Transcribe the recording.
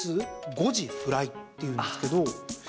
５時フライっていうんですけど。